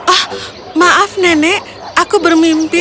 oh maaf nenek aku bermimpi